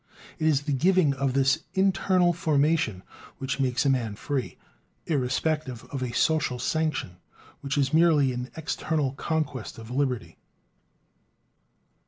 It is the giving of this "internal formation" which makes a man free, irrespective of a "social sanction" which is merely an external conquest of liberty.